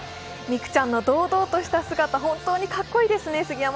美空ちゃんの堂々とした姿、本当にかっこいいですね。